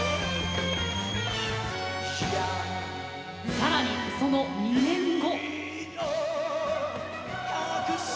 更にその２年後。